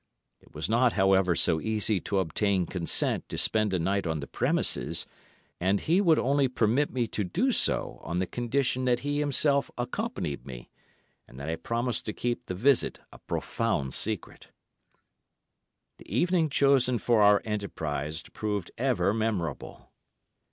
It was not, however, so easy to obtain consent to spend a night on the premises, and he would only permit me to do so on the condition that he himself accompanied me, and that I promised to keep the visit a profound secret. The evening chosen for our enterprise proved ever memorable.